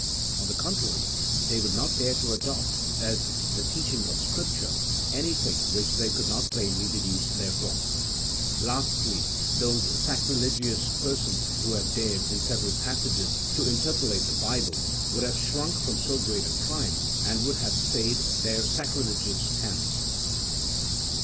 On the contrary, they would not dare to adopt, as the teaching of Scripture, anything which they could not plainly deduce therefrom : lastly, those sacrilegious persons who have dared, in several passages, to interpolate the Bible, would have shrunk from so great a crime, and would have stayed their sacrilegious hands.